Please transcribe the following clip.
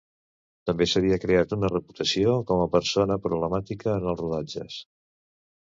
També s'havia creat una reputació com a persona problemàtica en els rodatges.